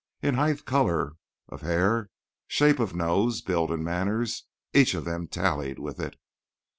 In height, colour of hair, shape of nose, build and manners each of them tallied with it.